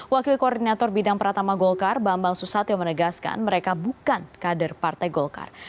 wakil koordinator bidang pratama golkar bambang susatyo menegaskan mereka bukan kader partai golkar